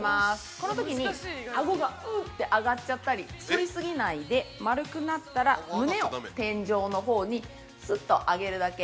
このときにあごがうって、上がっちゃったりそり過ぎないで丸くなったら、胸を天井のほうにすっと上げるだけ。